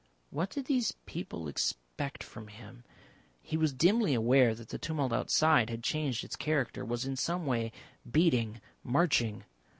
What did these people expect from him. He was dimly aware that the tumult outside had changed its character, was in some way beating, marching.